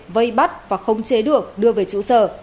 vây bắt và khống chế được đưa về trụ sở